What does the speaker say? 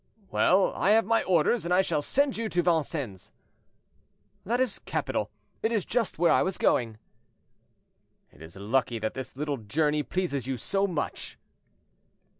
"Well, I have my orders, and I shall send you to Vincennes." "That is capital; it is just where I was going." "It is lucky that this little journey pleases you so much."